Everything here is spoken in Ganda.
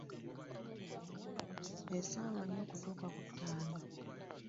Essaawa nnya okutuuka ku ttaano.